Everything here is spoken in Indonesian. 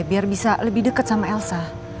biar bisa lebih dekat sama elsa